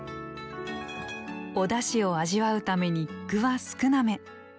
おだしを味わうために具は少なめ。